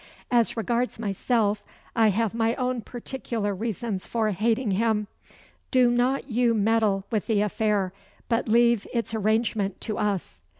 As regards myself, I have my own particular reasons for hating him. Do not you meddle with the affair, but leave its arrangement to us."